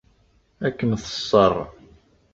Ad kem-teṣṣer.